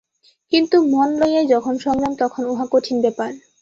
কিন্তু মন লইয়াই যখন সংগ্রাম, তখন উহা কঠিন ব্যাপার।